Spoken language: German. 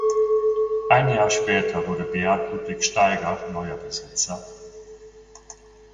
Ein Jahr später wurde Beat Ludwig Steiger neuer Besitzer.